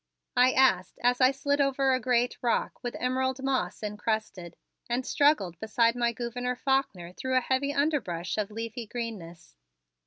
I asked as I slid over a great rock with emerald moss encrusted, and struggled beside my Gouverneur Faulkner through a heavy underbrush of leafy greenness.